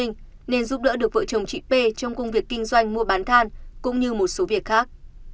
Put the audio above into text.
nên giúp đỡ được vợ chồng chị p trong công việc kinh doanh mua bán than cũng như một số việc khác